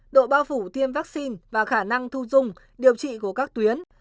độ bao phủ tiêm vaccine và khả năng thu dung điều trị của các tuyến